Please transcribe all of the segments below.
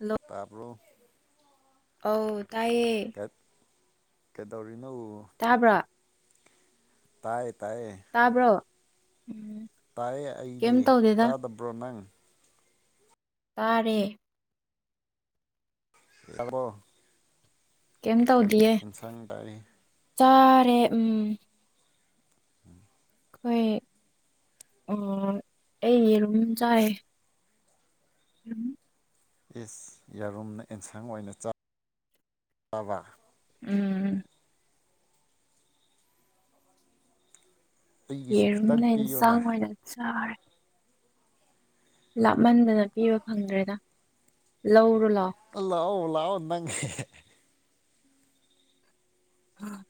hello ꯇꯥꯕ꯭ꯔꯣ ꯑꯧ ꯇꯥꯏꯌꯦ ꯀꯩꯗꯧꯔꯤꯅꯣ ꯇꯥꯕ꯭ꯔꯣ ꯇꯥꯏ ꯇꯥꯏꯌꯦ ꯇꯥꯕ꯭ꯔꯣ ꯎꯝ ꯇꯥꯏꯌꯦ ꯑꯩꯗꯤ ꯀꯩꯝ ꯇꯧꯗꯦꯗ ꯇꯥꯗꯕ꯭ꯔꯣ ꯅꯪ ꯇꯥꯔꯦ ꯇ꯭ꯕꯔꯣ ꯀꯩꯝ ꯀꯔꯤ ꯇꯧꯗꯤꯌꯦ ꯏꯟꯁꯥꯡ ꯇꯔꯤ ꯆꯥꯔꯦ ꯎꯝ ꯎꯝ ꯑꯈꯣꯏ ꯑꯥ ꯑꯩ ꯌꯦꯔꯨꯝ ꯆꯥꯏ [inaudible] ꯏꯁ ꯌꯥꯔꯨꯝꯅ ꯑꯦꯟꯁꯥꯡ ꯑꯣꯏꯅ ꯆꯥꯕ ꯎꯝ ꯑꯩꯒꯤꯁꯨ ꯈꯤꯇꯪ ꯌꯦꯔꯨꯝꯅ ꯄꯤꯌꯨꯅ ꯑꯦꯟꯁꯥꯡ ꯑꯣꯏꯅ ꯆꯥꯔꯦ ꯂꯥꯞꯃꯟꯕꯅ ꯄꯤꯕ ꯐꯪꯗ꯭ꯔꯦꯗ ꯂꯧ ꯂꯥꯎꯑꯣ ꯂꯥꯎꯑꯣ ꯅꯪ ꯍꯣꯏ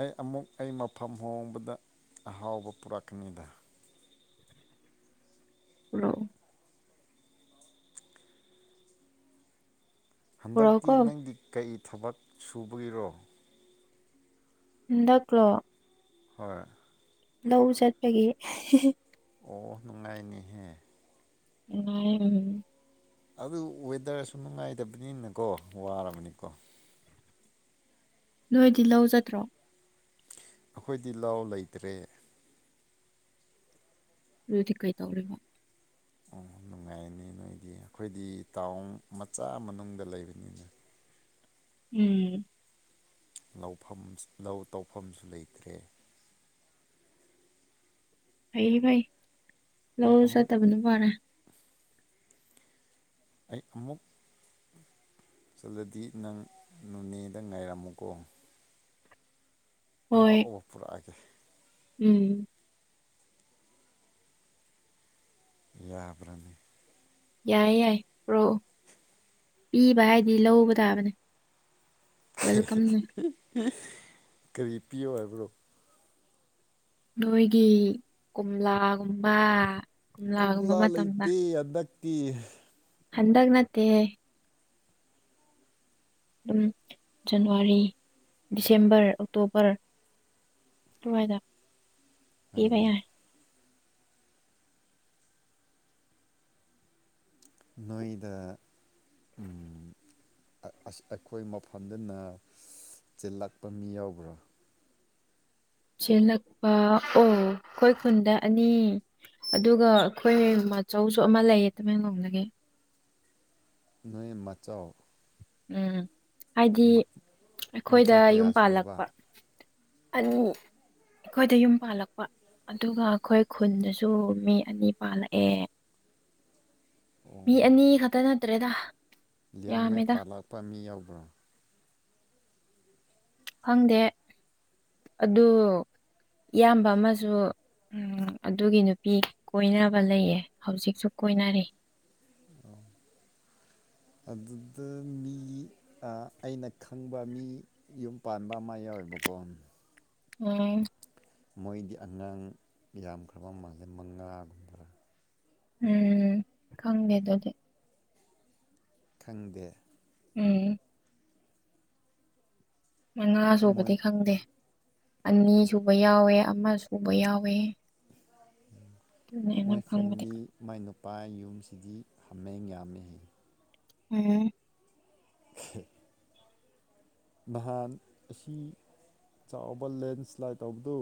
ꯑꯩ ꯑꯃꯨꯛ ꯑꯩ ꯃꯐꯝ ꯍꯣꯡꯕꯗ ꯑꯍꯥꯎꯕ ꯄꯨꯔꯛꯀꯅꯤꯗ ꯄꯨꯔꯛꯑꯣ ꯍꯟꯗꯛꯇꯤ ꯄꯨꯔꯛꯎꯀꯣ ꯅꯪꯒꯤ ꯀꯔꯤ ꯊꯕꯛ ꯁꯨꯕꯒꯤꯔꯣ ꯍꯟꯗꯛꯂꯣ ꯍꯣꯏ ꯂꯧ ꯆꯠꯄꯒꯤ ꯍꯤ ꯍꯤ ꯑꯣ ꯅꯨꯡꯉꯥꯏꯅꯤꯍꯦ [unintelligible] ꯑꯗꯨ ꯋꯦꯗꯔꯁꯨ ꯅꯨꯡꯉꯥꯏꯇꯕꯅꯤꯅꯀꯣ ꯋꯥꯔꯕꯅꯤꯀꯣ ꯅꯣꯏꯗꯤ ꯂꯧꯖꯗ꯭ꯔꯣ ꯑꯩꯈꯣꯏꯗꯤ ꯂꯧ ꯂꯩꯇ꯭ꯔꯦ ꯑꯗꯨꯗꯤ ꯀꯩꯇꯧꯔꯤꯕ ꯎꯝ ꯅꯨꯡꯉꯥꯏ ꯀꯅꯤ ꯅꯣꯏꯗꯤ ꯑꯩꯈꯣꯏꯗꯤ ꯇꯥꯎꯟ ꯃꯆꯥ ꯃꯅꯨꯡꯗ ꯂꯩꯕꯅꯤꯅ ꯎꯝ ꯂꯧꯐꯝ ꯂꯧ ꯇꯧꯐꯝꯁꯨ ꯂꯩꯇ꯭ꯔꯦ ꯐꯩ ꯐꯩ ꯂꯧ ꯑꯩ ꯑꯃꯨꯛ ꯆꯠꯇꯕꯅ ꯐꯥꯔꯦ ꯑꯩ ꯑꯃꯨꯛ ꯆꯠꯂꯗꯤ ꯅꯪ ꯅꯣꯅꯦꯗ ꯉꯥꯏꯔꯝꯃꯨꯀꯣ ꯑ ꯍꯣꯏ ꯑꯣ ꯄꯨꯔꯛꯑꯒꯦ ꯎꯝ ꯌꯥꯕ꯭ꯔꯅꯦ ꯌꯥꯏ ꯌꯥꯏ ꯄꯨꯔꯣ ꯄꯤꯕ ꯍꯥꯏꯗꯤ ꯂꯧꯕ ꯇꯥꯕꯅꯦ ꯋꯦꯜꯀꯝꯅꯦ ꯀꯔꯤ ꯄꯤꯌꯣ ꯍꯥꯏꯕ꯭ꯔꯣ ꯅꯣꯏꯒꯤ ꯀꯣꯝꯂꯥꯒꯨꯝꯕ ꯀꯣꯝꯂꯥꯒꯨꯝꯕ ꯀꯒꯣꯝꯂꯥ ꯃꯇꯝꯗ ꯂꯩꯇꯦ ꯍꯟꯗꯛꯇꯤ ꯍꯟꯗꯛ ꯅꯠꯇꯦ ꯑꯗꯨꯝ ꯖꯟꯋꯥꯔꯤ ꯗꯤꯁꯦꯝꯕꯔ ꯑꯣꯛꯇꯣꯕꯔ ꯇꯋꯥꯥꯏꯗ ꯍꯏꯅꯦ ꯅꯣꯏꯗ ꯎꯝ ꯑꯩꯈꯣꯏ ꯃꯐꯝꯗꯅ ꯆꯦꯜꯂꯛꯄ ꯃꯤ ꯌꯥꯎꯕ꯭ꯔꯥ ꯆꯦꯜꯂꯛꯄ ꯑꯣ ꯑꯩꯈꯣꯏ ꯈꯨꯟꯗ ꯑꯅꯤ ꯑꯗꯨꯒ ꯑꯩꯈꯣꯏ ꯃꯆꯧꯁꯨ ꯑꯃ ꯂꯩꯌꯦ ꯇꯃꯦꯡꯂꯣꯡꯗꯒꯤ ꯅꯣꯏ ꯃꯥꯆꯧ ꯎꯝ ꯍꯥꯏꯗꯤ ꯑꯩꯈꯣꯏꯗ ꯃꯆꯥ ꯀꯌꯥ ꯌꯨꯝ ꯁꯨꯔꯕ ꯄꯥꯜꯂꯛꯄ ꯑꯅꯤ ꯑꯩꯈꯣꯏꯗ ꯌꯨꯝ ꯄꯥꯜꯂꯛꯄ ꯑꯗꯨꯒ ꯑꯩꯈꯣꯏ ꯈꯨꯟꯗꯁꯨ ꯃꯤ ꯑꯅꯤ ꯄꯥꯜꯂꯛꯑꯦ [inaudible] ꯃꯤ ꯑꯅꯤ ꯈꯛꯇ ꯅꯠꯇ꯭ꯔꯦꯗ ꯂꯌꯥꯡꯃꯥꯏ ꯌꯥꯝꯃꯦꯗ ꯄꯥꯜꯂꯛꯄ ꯃꯤ ꯌꯥꯎꯕ꯭ꯔꯥ ꯈꯪꯗꯦ ꯑꯗꯨ ꯏꯌꯥꯝꯕ ꯑꯃꯁꯨ ꯎꯝ ꯑꯗꯨꯒꯤ ꯅꯨꯄꯤ ꯀꯣꯏꯅꯕ ꯂꯩꯌꯦ ꯍꯧꯖꯤꯛꯁꯨ ꯀꯣꯏꯅꯔꯤ ꯑꯣ ꯑꯗꯨꯗ ꯃꯤ ꯑꯩꯅ ꯈꯪꯕ ꯃꯤ ꯌꯨꯝ ꯄꯥꯟꯕ ꯑꯃ ꯌꯥꯎꯋꯦꯕ ꯀꯣꯟ ꯑꯣ ꯃꯣꯏꯗꯤ ꯑꯉꯥꯡ ꯌꯥꯝꯈ꯭ꯔꯕ ꯃꯥꯜꯂꯦ ꯃꯉꯥꯒꯨꯝꯕ꯭ꯔꯥ ꯎꯝ ꯈꯪꯗꯦ ꯗꯨꯗꯤ ꯈꯪꯗꯦ ꯎꯝ ꯃ ꯉꯥ ꯁꯨꯕꯗꯤ ꯃꯣꯏ ꯈꯪꯗꯦ ꯑꯅꯤ ꯁꯨꯕ ꯌꯥꯎꯋꯦ ꯑꯃ ꯁꯨꯕ ꯌꯥꯎꯋꯦ ꯑꯗꯨꯅꯦ ꯑꯩꯅ ꯃꯣꯏ ꯈꯪꯕꯗꯤ ꯐꯦꯃꯂꯤ ꯃꯥꯏꯅ ꯏꯄꯥꯥꯏ ꯌꯨꯝꯁꯤꯗꯤ ꯍꯥꯃꯦꯡ ꯌꯥꯝꯃꯦ ꯑꯝ ꯈꯦ ꯅꯍꯥꯟ ꯑꯁꯤ ꯆꯥꯎꯕ ꯂꯦꯟꯁ꯭ꯂꯥꯏꯠ ꯇꯧꯕꯗꯨ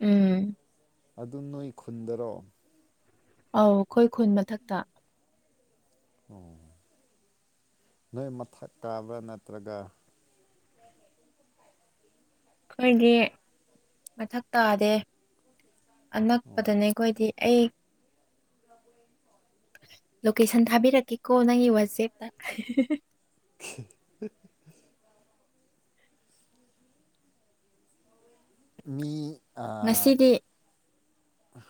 ꯎꯝ ꯑꯗꯨ ꯅꯣꯏ ꯈꯨꯟꯗꯔꯣ ꯑꯧ ꯑꯩꯈꯣꯏ ꯈꯨꯟ ꯃꯊꯛꯇ ꯑꯣ ꯅꯣꯏ ꯃꯊꯛ ꯀꯥꯕ꯭ꯔꯥ ꯅꯠꯇ꯭ꯔꯒ ꯑꯩꯈꯣꯏꯗꯤ ꯃꯊꯛ ꯇꯥꯗꯦ ꯑꯣ ꯑꯅꯛꯄꯗꯅꯦ ꯑꯩꯈꯣꯏꯗꯤ ꯑꯩ ꯂꯣꯀꯦꯁꯟ ꯊꯥꯕꯤꯔꯛꯀꯦꯀꯣ ꯅꯪꯒꯤ ꯋꯥꯆꯦꯞꯇ ꯍꯤ ꯍ ꯃꯤ ꯑꯥ ꯉꯁꯤꯗꯤ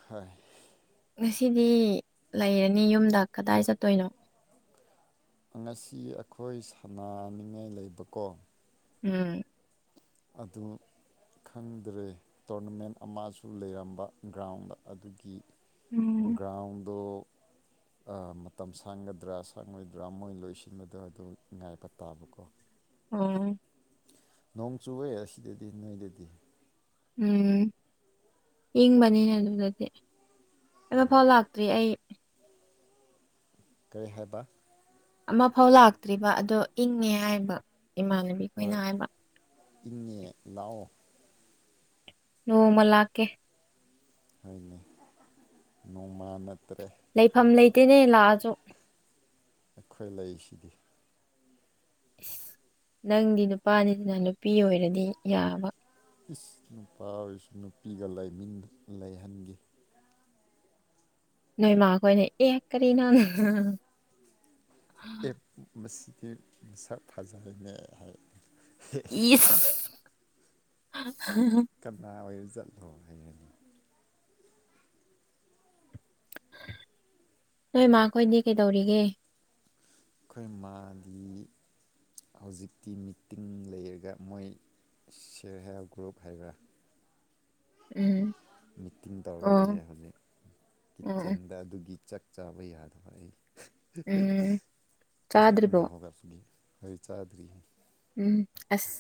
ꯍꯣꯏ ꯉꯁꯤꯗꯤ ꯂꯩꯔꯅꯤ ꯌꯨꯝꯗ ꯀꯗꯥꯏ ꯆꯠꯇꯣꯏꯅꯣ ꯉꯁꯤ ꯑꯩꯈꯣꯏ ꯁꯥꯟꯅꯅꯤꯡꯉꯥꯏ ꯂꯩꯕꯀꯣ ꯎꯝ ꯑꯗꯨ ꯈꯪꯗ꯭ꯔꯦ ꯇꯣꯔꯅꯃꯦꯟ ꯑꯃꯁꯨ ꯂꯩꯔꯝꯕ ꯒ꯭ꯔꯥꯎꯟꯗ ꯑꯗꯨꯒꯤ ꯎꯝ ꯒ꯭ꯔꯥꯎꯟꯗꯣ ꯑ ꯃꯇꯝ ꯁꯥꯡꯒꯗ꯭ꯔꯥ ꯁꯪꯉꯣꯏꯗ꯭ꯔꯥ ꯃꯣꯏ ꯂꯣꯏꯁꯤꯟꯕꯗꯣ ꯑꯗꯨ ꯉꯥꯏꯕ ꯇꯥꯕꯀꯣ ꯎꯝ ꯅꯣꯡ ꯆꯨꯋꯦ ꯑꯁꯤꯗꯗꯤ ꯅꯣꯏꯗꯗꯤ ꯎꯝ ꯏꯪꯕꯅꯤꯅꯦ ꯑꯗꯨꯗꯗꯤ ꯀꯩꯅꯣꯐꯥꯎ ꯂꯥꯛꯇ꯭ꯔꯤ ꯑꯩ ꯀꯩ ꯍꯥꯏꯕ ꯑꯃꯐꯧ ꯂꯥꯛꯇ꯭ꯔꯤꯕ ꯑꯗꯣ ꯏꯪꯉꯦ ꯍꯥꯏꯕ ꯏꯃꯥꯟꯅꯕꯤ ꯍꯣꯏ ꯈꯣꯏꯅ ꯍꯥꯏꯕ ꯏꯪꯉꯦ ꯂꯥꯛꯑꯣ ꯅꯣꯡꯃꯂꯥꯀꯦ ꯍꯣꯏꯅꯦ ꯅꯣꯡꯃꯥ ꯅꯠꯇ꯭ꯔꯦ ꯂꯩꯐꯝ ꯂꯩꯇꯦꯅꯦ ꯂꯥꯛꯑ ꯑꯩꯈꯣꯏ ꯂꯩꯁ ꯅꯪꯗꯤ ꯅꯨꯄꯥꯅꯤꯗꯅ ꯅꯨꯄꯤ ꯑꯣꯏꯔꯗꯤ ꯌꯥꯕ ꯏꯁ ꯅꯨꯄꯥ ꯑꯣꯏꯔꯁꯨ ꯅꯨꯄꯤꯒ ꯂꯩꯃꯤꯟ ꯂꯩꯍꯟꯒꯤ ꯅꯣꯏ ꯃꯥꯈꯣꯏꯅ ꯑꯦ ꯀꯔꯤꯅꯣ ꯍꯥ ꯑ ꯑꯦ ꯃꯁꯤꯁꯤꯗꯤ ꯃꯁꯛ ꯐꯖꯩꯅꯦ ꯍꯥꯏꯔ ꯍꯦ ꯍꯦ ꯍꯥ ꯀꯥꯅ ꯑꯣꯏꯔꯖꯥꯠꯅꯣ ꯍꯥꯢꯅꯤ ꯍꯥꯢꯕꯅꯦ ꯅꯣꯏꯃꯥꯈꯣꯏꯗꯤ ꯀꯩꯗꯧꯔꯤꯒꯦ ꯑꯩꯈꯣꯏ ꯃꯥꯗꯤ ꯍꯧꯖꯤꯛꯇꯤ ꯃꯤꯇꯤꯡ ꯂꯩꯔꯒ ꯃꯣꯏ ꯁꯦꯜꯐ ꯍꯦꯜꯞ ꯒ꯭ꯔꯨꯞ ꯍꯥꯏꯕ꯭ꯔꯥ ꯎꯝ ꯃꯤꯇꯤꯡ ꯇꯧꯔꯒ ꯑꯣ ꯂꯩꯌꯦ ꯍꯧꯖꯤꯛ ꯎꯝ ꯀꯤꯠꯆꯦꯟꯗ ꯑꯗꯨꯒꯤ ꯆꯥꯛ ꯆꯥꯕ ꯌꯥꯗꯕ ꯑꯩꯅ ꯎꯝ ꯊꯦꯡꯅ ꯆꯥꯗ꯭ꯔꯤꯕꯣ ꯍꯒꯠꯄꯅꯤ ꯍꯣꯏ ꯆꯥꯗ꯭ꯔꯤ ꯎꯝ ꯑꯁ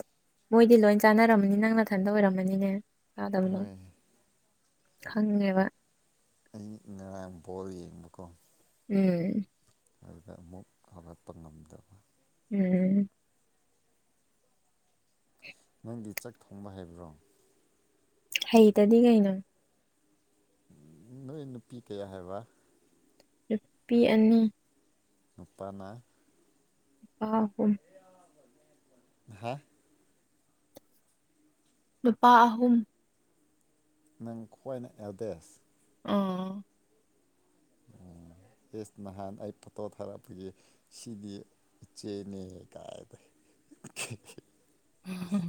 ꯃꯣꯏꯗꯤ ꯂꯣꯏ ꯆꯥꯟꯅꯔꯝꯃꯅꯤ ꯅꯪ ꯃꯊꯟꯇ ꯑꯣꯏꯔꯝꯃꯅꯤꯅꯦ ꯁꯥꯥꯗꯝꯗꯝꯅ ꯍꯣꯏ ꯈꯪꯉꯦꯕ ꯑꯩ ꯉꯔꯥꯡ ꯕꯣꯜ ꯌꯦꯡꯕꯀꯣ ꯎꯝ ꯑꯗꯨꯗ ꯑꯃꯨꯛ ꯍꯧꯒꯠꯄ ꯉꯝꯗꯕ ꯎꯝ ꯅꯪꯗꯤ ꯆꯥꯛ ꯊꯣꯡꯕ ꯍꯥꯏꯕ꯭ꯔꯣ ꯍꯩꯇꯗꯤ ꯀꯩꯅꯣ ꯅꯣꯏ ꯅꯨꯄꯤ ꯀꯌꯥ ꯍꯥꯏꯕ ꯅꯨꯄꯤ ꯑꯅꯤ ꯅꯨꯄꯥꯅ ꯄꯥ ꯑꯍꯨꯝ ꯍꯥ ꯅꯨꯄꯥ ꯑꯍꯨꯝ ꯅꯪ ꯈ꯭ꯋꯥꯏꯅ ꯑꯦꯜꯗꯦꯁ ꯑꯣ ꯎꯝ ꯑꯦꯁ ꯅꯍꯥꯟ ꯑꯩ ꯐꯣꯇꯣ ꯊꯥꯔꯛꯄꯒꯤ ꯁꯤꯗꯤ ꯆꯦꯅꯦ ꯀꯥꯏ ꯇ ꯎꯝꯍꯝ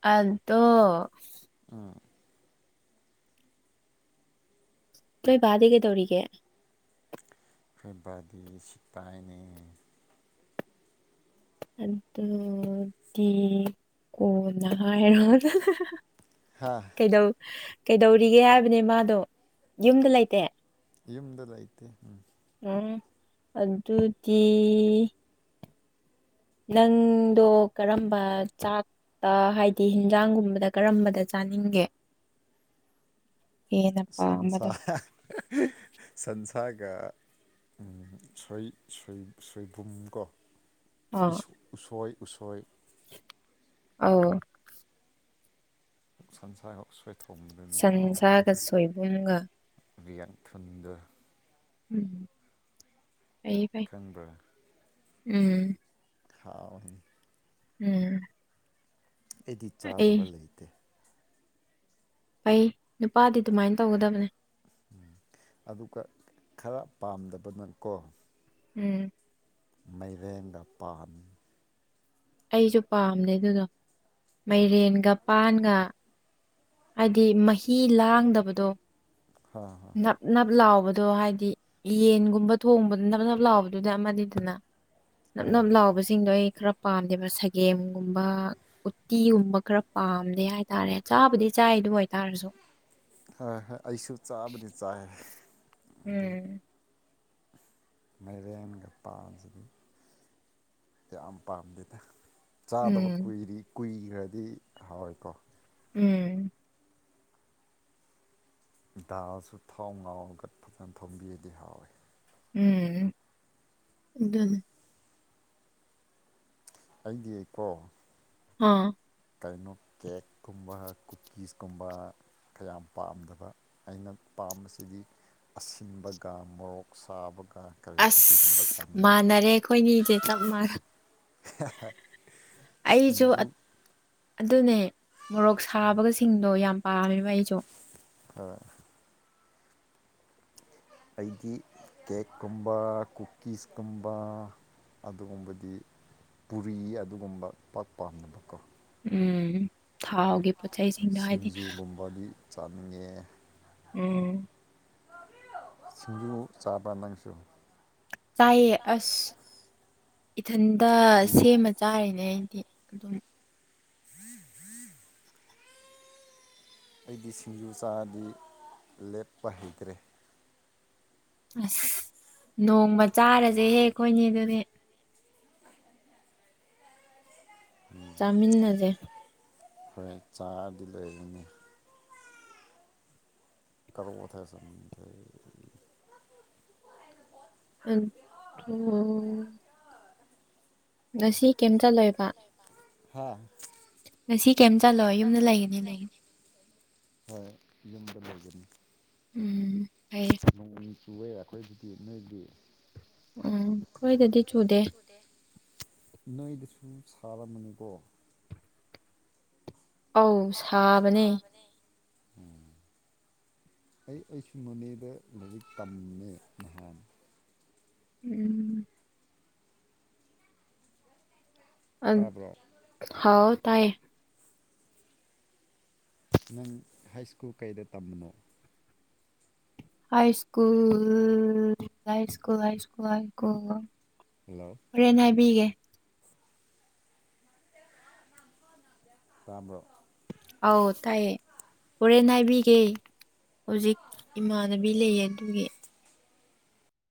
ꯑꯥꯗꯣ ꯇꯣꯏ ꯕꯥꯥꯗꯤ ꯀꯩꯗꯧꯔꯤꯒꯦ ꯑꯩꯈꯣꯏ ꯕꯥꯗꯤ ꯁꯤꯄꯥꯏꯅꯤ ꯑꯗꯨꯗꯤ ꯀꯣꯟꯅ ꯍꯥꯏ ꯍꯥ ꯀꯩꯪꯗꯧ ꯀꯩꯗꯧꯔꯤꯒꯦ ꯍꯥꯏꯕꯅꯦ ꯃꯥꯗꯣ ꯌꯨꯝꯗ ꯂꯩꯇꯦ ꯌꯨꯝꯗ ꯂꯩꯇꯦ ꯎꯝ ꯎꯝ ꯑꯗꯨꯗꯤ ꯅꯪꯗꯣ ꯀꯔꯝꯕ ꯆꯥꯛ ꯇꯥ ꯍꯥꯏꯗꯤ ꯍꯤꯟꯖꯥꯡꯒꯨꯝꯕꯗ ꯀꯔꯝꯕꯗ ꯆꯥꯅꯤꯡꯒꯦ ꯍꯦꯟꯅ ꯁꯟꯁꯥ ꯄꯥꯝꯕꯗꯣ ꯁꯟꯁꯥꯒꯤ ꯎꯝ ꯁꯣꯏ ꯁꯣꯏ ꯁꯣꯏꯕꯨꯝ ꯀꯣ ꯑꯥ ꯎꯁꯣꯏ ꯎꯁꯣꯏ ꯑꯧ ꯁꯟꯁꯥ ꯁ꯭ꯋꯦꯠ ꯁꯟꯁꯥꯒ ꯁꯣꯏꯕꯨꯝꯒ ꯕꯤꯌꯥꯡ ꯊꯨꯟꯗ ꯎꯝ ꯐꯩꯌꯦ ꯐꯩ ꯈꯪꯕ꯭ꯔ ꯎꯝ ꯊꯥꯎꯅꯤ ꯎꯝ ꯑꯩꯗꯤ ꯑꯩ ꯆꯥꯗꯕ ꯂꯩꯇꯦ ꯐꯩ ꯅꯨꯄꯥꯗꯤ ꯑꯗꯨꯃꯥꯏꯅ ꯇꯧꯒꯗꯕꯅꯦ ꯎꯝ ꯑꯗꯨꯒ ꯈꯔ ꯄꯥꯝꯗꯕꯅꯀꯣ ꯎꯝ ꯃꯥꯏꯔꯦꯟꯗꯣ ꯄꯥꯝꯃꯦ ꯑꯩꯁꯨ ꯄꯥꯝꯗꯦ ꯑꯗꯨꯗꯣ ꯃꯥꯏꯔꯦꯟꯒ ꯄꯥꯟꯒ ꯍꯥꯏꯗꯤ ꯃꯍꯤ ꯂꯥꯡꯗꯕꯗꯣ ꯍꯣꯏ ꯅꯞ ꯅꯞ ꯂꯥꯎꯕꯗ ꯑꯗꯣ ꯍꯥꯏꯗꯤ ꯌꯦꯟꯒꯨꯝꯕ ꯊꯣꯡꯕꯗ ꯅꯞ ꯅꯞ ꯂꯥꯎꯕꯗꯨꯅ ꯑꯃꯅꯤꯗꯅ ꯅꯞ ꯍꯣꯏ ꯍꯣꯏ ꯅꯞ ꯂꯥꯎꯕꯁꯤꯡꯗꯣ ꯑꯩ ꯈꯔ ꯄꯥꯝꯗꯦꯕ ꯁꯒꯦꯝꯒꯨꯝꯕ ꯎꯇꯤꯒꯨꯝꯕ ꯈꯔ ꯄꯥꯝꯗꯦ ꯍꯥꯏꯇꯥꯔꯦ ꯆꯥꯕꯗꯤ ꯆꯥꯏ ꯑꯗꯨ ꯑꯣꯏꯇꯥꯔꯁꯨ ꯍꯣꯏ ꯍꯣꯏ ꯑꯩꯁꯨ ꯆꯥꯕꯗꯤ ꯆꯥꯏ ꯑꯗꯨ ꯎꯝ ꯃꯥꯏꯔꯦꯟꯒ ꯄꯥꯟꯁꯤꯗꯤ ꯌꯥꯝ ꯄꯥꯝꯗꯦꯗ ꯆꯥꯗꯕ ꯎꯝ ꯀꯨꯔꯤ ꯀꯨꯏꯈ꯭ꯔꯗꯤ ꯍꯥꯎꯋꯦꯀꯣ ꯎꯝ ꯗꯥꯜꯁꯨ ꯊꯥꯎ ꯉꯧꯔꯒ ꯐꯖꯅ ꯊꯣꯝꯕꯤꯔꯗꯤ ꯍꯥꯎꯋꯦ ꯎꯝ ꯑꯗꯨꯅꯤ ꯑꯩꯗꯤ ꯀꯣ ꯑꯥ ꯀꯔꯤꯅꯣ ꯀꯦꯛꯀꯨꯝꯕ ꯀꯨꯀꯤꯁ ꯀꯨꯝꯕ ꯀꯌꯥꯝ ꯄꯥꯝꯗꯕ ꯑꯩꯅ ꯄꯥꯝꯕꯁꯤꯗꯤ ꯑꯁꯤꯟꯕꯒ ꯃꯣꯔꯣꯛ ꯁꯥꯕꯒ ꯀꯔꯤ ꯑꯗꯨꯒꯨꯝꯕ ꯑꯁ ꯆꯥꯅꯤꯡꯉꯤ ꯃꯥꯟꯅꯔꯦ ꯑꯩꯈꯣꯏꯅꯤꯗꯤ ꯆꯞ ꯃꯥꯟꯅ ꯍꯥ ꯍꯥ ꯍꯥ ꯑꯩꯁꯨ ꯁꯤꯡꯖꯨ ꯑꯗꯨꯅꯦ ꯃꯣꯔꯣꯛ ꯁꯥꯕꯒꯁꯤꯡꯗꯣ ꯌꯥꯝ ꯄꯥꯝꯃꯦꯕ ꯑꯩꯁꯨ ꯍꯣꯏ ꯑꯩꯒꯤ ꯀꯦꯛꯀꯨꯝꯕ ꯀꯨꯀꯤꯁꯀꯨꯝꯕ ꯑꯗꯨꯒꯨꯝꯕꯗꯤ ꯄꯨꯔꯤ ꯑꯗꯨꯒꯨꯝꯕ ꯄꯥꯛ ꯄꯥꯝꯗꯕꯀꯣ ꯎꯝ ꯊꯥꯎꯒꯤ ꯄꯣꯠꯆꯩꯁꯤꯡꯗꯣ ꯍꯥꯏꯗꯤ ꯁꯤꯡꯖꯨꯒꯨꯝꯕꯗꯤ ꯆꯥꯅꯤꯡꯉꯦ ꯑꯥ ꯁꯤꯡꯖꯨ ꯆꯥꯕ ꯅꯪꯁꯨ ꯆꯥꯏꯌꯦ ꯑꯁ ꯏꯊꯟꯗ ꯑꯩ ꯁꯦꯝꯃ ꯆꯥꯔꯤꯅꯦ ꯑꯩꯗꯤ ꯑꯗꯨꯝ ꯑꯩꯗꯤ ꯁꯤꯡꯖꯨ ꯆꯥꯔꯗꯤ ꯂꯦꯞꯄ ꯍꯩꯇ꯭ꯔꯦ ꯑꯁ ꯅꯣꯡꯃ ꯆꯥꯔꯁꯦ ꯍꯦꯛ ꯑꯩꯈꯣꯏꯅꯤ ꯑꯗꯨꯗꯤ ꯆꯥꯃꯤꯟꯅꯖꯦ ꯍꯣꯏ ꯆꯥꯗꯤ ꯂꯣꯏꯔꯅꯤ [unintelligible] ꯑꯪ ꯉꯁꯤ ꯀꯩꯝ ꯆꯠꯂꯣꯏꯕ ꯍꯥ ꯉꯁꯤ ꯀꯩꯝ ꯆꯠꯂꯣꯏ ꯌꯨꯝꯗ ꯂꯩꯒꯅꯤ ꯑꯗꯨꯝ ꯍꯣꯏ ꯌꯨꯝꯗ ꯂꯩꯒꯅꯤ ꯎꯝ ꯐꯩꯌꯦ ꯅꯣꯡ ꯆꯨꯋꯦ ꯑꯩꯈꯣꯏꯒꯤꯗꯤ ꯅꯣꯏꯒꯤ ꯑꯣ ꯑꯣ ꯈꯣꯏꯗꯗꯤ ꯆꯨꯗꯦ ꯅꯣꯏꯗꯁꯨ ꯁꯥꯔꯃꯅꯤꯀꯣ ꯑꯥꯎ ꯁꯥꯕꯅꯦ ꯎꯝ ꯑꯩ ꯑꯩꯁꯨ ꯅꯣꯅꯦꯗ ꯂꯥꯏꯔꯤꯛ ꯇꯝꯃꯦ ꯅꯍꯥꯟ ꯎꯝ ꯑꯥ ꯇꯥꯕ꯭ꯔꯣ ꯍꯥꯎ ꯇꯥꯏꯌꯦ ꯅꯪ ꯍꯥꯏ ꯁ꯭ꯀꯨꯜ ꯀꯩꯗ ꯇꯝꯕꯅꯣ high school high school high school high school hello ꯍꯣꯔꯦꯟ ꯍꯥꯏꯕꯤꯒꯦ ꯇꯥꯕ꯭ꯔꯣ ꯑꯧ ꯇꯥꯏꯌꯦ ꯍꯣꯔꯦꯟ ꯍꯥꯏꯕꯤꯒꯦ ꯍꯧꯖꯤꯛ ꯏꯃꯥꯟꯅꯕꯤ ꯂꯩꯌꯦ ꯑꯗꯨꯒꯤ